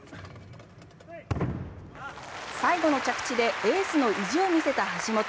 最後の着地でエースの意地を見せた橋本。